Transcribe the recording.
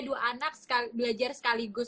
dua anak belajar sekaligus